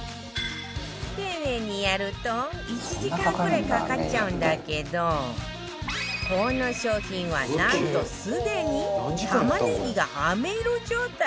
丁寧にやると１時間ぐらいかかっちゃうんだけどこの商品はなんとすでに玉ねぎがあめ色状態